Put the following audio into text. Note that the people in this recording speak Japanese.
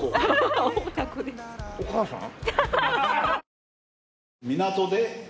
お母さん？